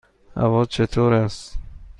هوا چطور است؟